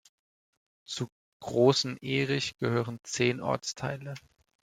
Zu Großenehrich gehören zehn Ortsteile.